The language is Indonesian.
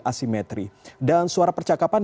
asimetri dan suara percakapan